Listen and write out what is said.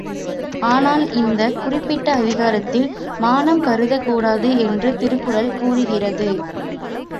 ஆனால், இந்தக் குறிப்பிட்ட அதிகாரத்தில் மானம் கருதக் கூடாது என்று திருக்குறள் கூறுகிறது.